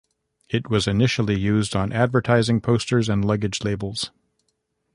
It was initially used on advertising posters and luggage labels.